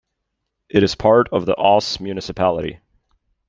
It is part of the Oss municipality.